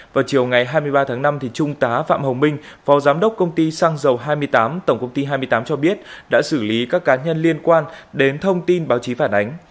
vào chiều ngày hai mươi ba tháng năm trung tá phạm hồng minh phó giám đốc công ty xăng dầu hai mươi tám tổng công ty hai mươi tám cho biết đã xử lý các cá nhân liên quan đến thông tin báo chí phản ánh